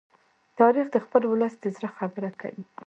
تاریخ د خپل ولس د زړه خبره کوي.